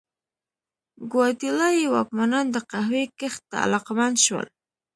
ګواتیلايي واکمنان د قهوې کښت ته علاقمند شول.